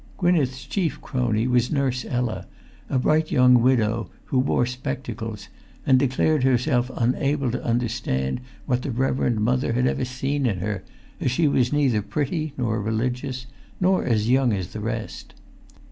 Gwynneth's chief crony was Nurse Ella, a bright young widow, who wore spectacles, and declared herself unable to understand what the Reverend Mother had ever seen in her, as she was neither pretty nor religious, nor as young as the rest.